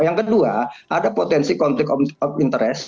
yang kedua ada potensi konflik of interest